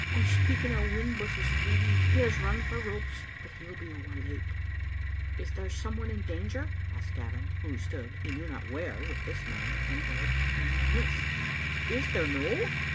"I'm speaking o' Whinbusses* grieve. He has run for ropes, but he'll be ower late." " Is there some one in danger?" asked Gavin, who stood, he knew not where, with this man, enveloped in mist. "Is there no?